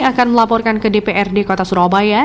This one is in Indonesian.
akan melaporkan ke dprd kota surabaya